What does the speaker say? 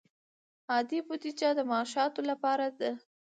عادي بودجه د معاشاتو لپاره ده